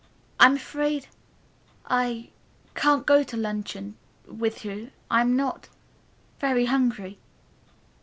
"I'm afraid I can't go to luncheon with you. I'm not very hungry."